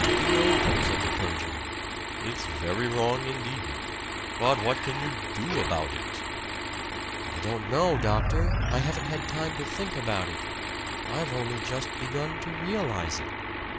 "No," said the clergyman, "it's very wrong indeed. But what can you do about it?" "I don't know, doctor. I haven't had time to think about it I've only just begun to realize it.